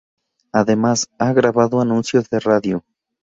Además, ha grabado anuncios de radio.